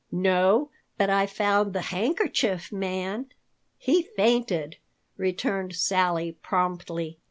"No, but I found the Handkerchief Man. He fainted," returned Sally promptly.